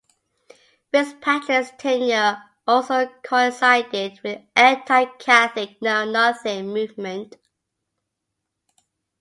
Fitzpatrick's tenure also coincided with anti-Catholic Know Nothing movement.